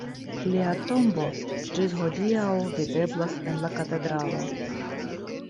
Lia tombo ĝis hodiaŭ videblas en la katedralo.